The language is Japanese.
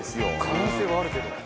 可能性はあるけど。